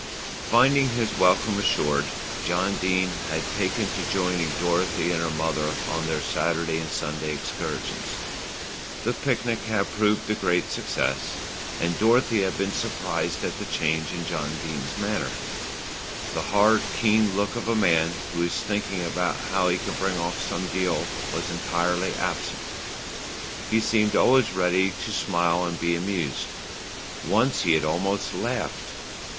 Finding his welcome assured, John Dene had taken to joining Dorothy and her mother on their Saturday and Sunday excursions. The picnic had proved a great success, and Dorothy had been surprised at the change in John Dene's manner. The hard, keen look of a man who is thinking how he can bring off some deal was entirely absent. He seemed always ready to smile and be amused. Once he had almost laughed.